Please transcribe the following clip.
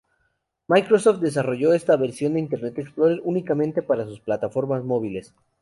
Microsoft desarrolló esta versión de Internet Explorer únicamente para sus plataformas móviles.